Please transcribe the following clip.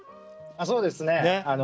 そうですね。